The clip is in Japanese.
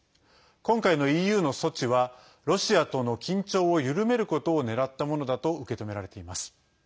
今回のＥＵの措置はロシアとの緊張を緩めることをねらったものだと受け止められています。